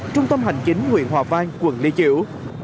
trung tâm hành chính huyện hòa vang quận lê chiểu